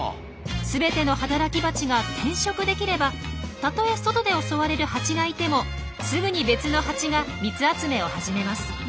全ての働きバチが転職できればたとえ外で襲われるハチがいてもすぐに別のハチが蜜集めを始めます。